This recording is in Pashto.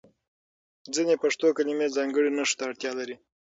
ځینې پښتو کلمې ځانګړي نښو ته اړتیا لري.